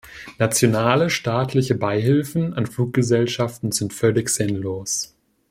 Nationale staatliche Beihilfen an Fluggesellschaften sind völlig sinnlos.